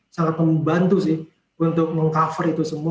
sangat membantu sih untuk meng cover itu semua